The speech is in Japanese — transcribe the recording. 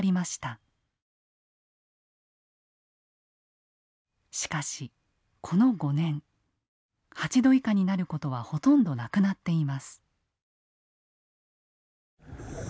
しかしこの５年８℃以下になることはほとんどなくなっています。